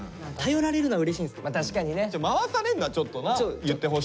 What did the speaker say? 回されるのはちょっとな言ってほしい。